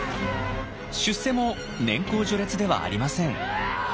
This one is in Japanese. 出世も年功序列ではありません。